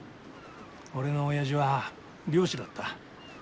俺のおやじは漁師だった。